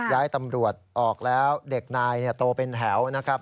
ย้ายตำรวจออกแล้วเด็กนายโตเป็นแถวนะครับ